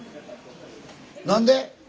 何で？